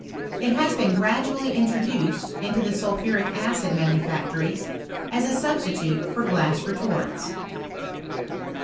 It has been gradually introduced into the sulphuric acid manufactories, as a substitute for glass retorts.